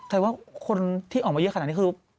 แต่ว่าคนที่ออกมาเยอะขนาดนี้คือ